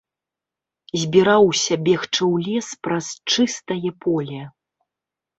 Збіраўся бегчы ў лес праз чыстае поле.